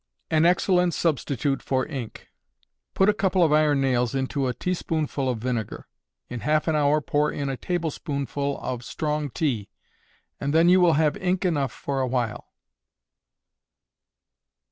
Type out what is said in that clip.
An Excellent Substitute for Ink. Put a couple of iron nails into a teaspoonful of vinegar. In half an hour pour in a tablespoonful of strong tea, and then you will have ink enough for a while.